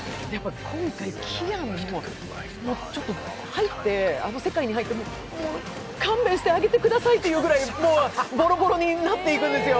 今回キアヌもちょっとあの世界に入って、もう勘弁してあげてくださいというくらいぼろぼろになっていくんですよ。